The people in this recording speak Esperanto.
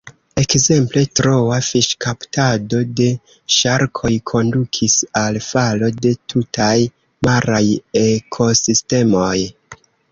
Ekzemple, troa fiŝkaptado de ŝarkoj kondukis al falo de tutaj maraj ekosistemoj.